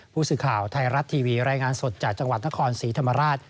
ผู้สื่อข่าวไทยรัฐทีวีรายงานสดจากจังหวัดนครศรีธรรมราช